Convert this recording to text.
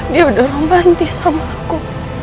dia udah romanti sama aku